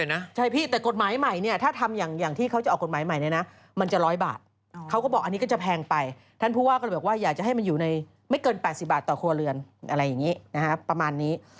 ในไม่เกิน๘๐บาทต่อครัวเรือนอะไรอย่างนี้นะฮะประมาณนี้